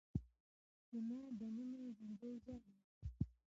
زما دننه زړګی ژاړي